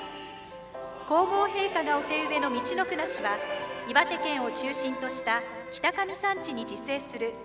皇后陛下がお手植えのミチノクナシは岩手県を中心とした北上山地に自生する野生ナシです。